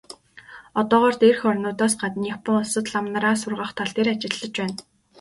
Одоогоор дээрх орнуудаас гадна Япон улсад лам нараа сургах тал дээр ажиллаж байна.